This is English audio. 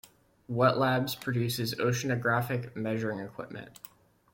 Wet Labs produces oceanographic measuring equipment.